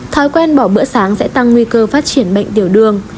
thói quen bỏ bữa sáng sẽ tăng nguy cơ phát triển bệnh tiểu đường